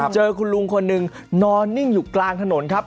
เจอคุณลุงคนหนึ่งนอนนิ่งอยู่กลางถนนครับ